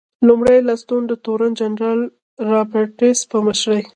لومړی ستون د تورن جنرال رابرټس په مشرۍ.